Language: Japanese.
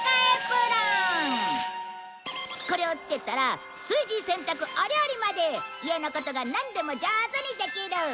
これをつけたら炊事洗濯お料理まで家のことがなんでも上手にできる。